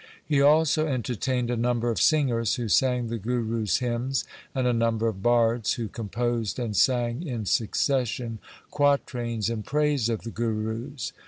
He also entertained a number of singers, who sang the Gurus' hymns, and a number of bards who composed and sang in succession qua trains in praise of the Gurus.